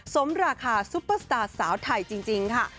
สมราคาซุปเปอร์สตาร์สาวไทยจริงค่ะ